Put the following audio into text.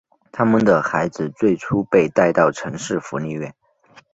他们的孩子最初被带到城市福利院。